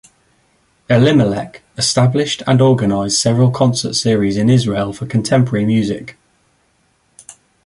Elimelech established and organized several concert series in Israel for contemporary music.